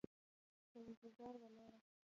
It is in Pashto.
په انتظار ولاړه،